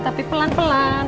tapi pelan pelan